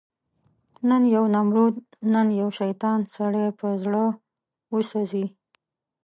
نن یو نمرود، نن یو شیطان، سړی په زړه وسوځي